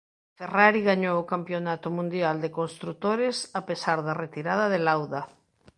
Ferrari gañou o campionato mundial de construtores a pesar da retirada de Lauda.